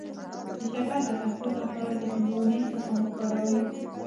د شکر د کنټرول لپاره د هندواڼې تخم وکاروئ